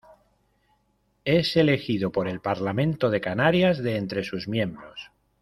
Es elegido por el Parlamento de Canarias de entre sus miembros.